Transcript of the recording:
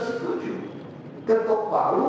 saya tidak tahu